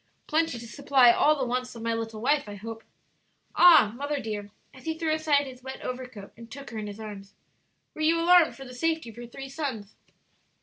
"Plenty to supply all the wants of my little wife, I hope." "Ah, mother dear," as he threw aside his wet overcoat and took her in his arms, "were you alarmed for the safety of your three sons?"